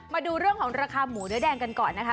มาดูเรื่องของราคาหมูเนื้อแดงกันก่อนนะคะ